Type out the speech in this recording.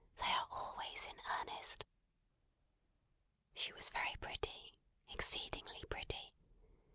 They are always in earnest. She was very pretty: exceedingly pretty.